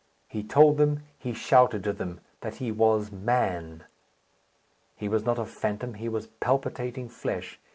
He told them, he shouted to them, that he was Man. He was not a phantom. He was palpitating flesh.